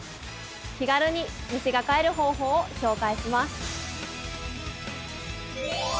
気軽に虫が飼える方法を紹介します。